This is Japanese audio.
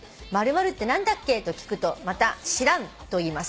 「『○○って何だっけ？』と聞くとまた『知らん』と言います」